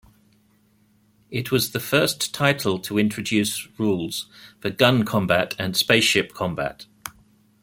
It was the first title to introduce rules for gun-combat and spaceship combat.